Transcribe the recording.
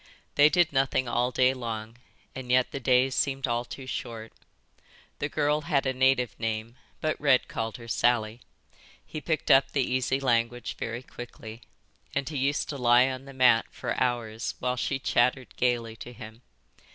They did nothing all day long and yet the days seemed all too short. The girl had a native name, but Red called her Sally. He picked up the easy language very quickly, and he used to lie on the mat for hours while she chattered gaily to him.